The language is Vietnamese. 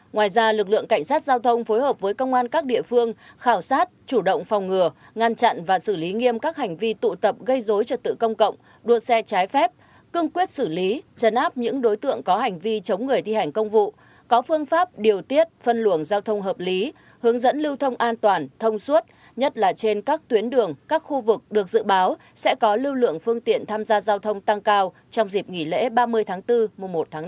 ngoài ra lực lượng cảnh sát giao thông phối hợp với công an các địa phương khảo sát chủ động phòng ngừa ngăn chặn và xử lý nghiêm các hành vi tụ tập gây dối trật tự công cộng đua xe trái phép cưng quyết xử lý chấn áp những đối tượng có hành vi chống người thi hành công vụ có phương pháp điều tiết phân luồng giao thông hợp lý hướng dẫn lưu thông an toàn thông suốt nhất là trên các tuyến đường các khu vực được dự báo sẽ có lưu lượng phương tiện tham gia giao thông tăng cao trong dịp nghỉ lễ ba mươi tháng bốn mùa một tháng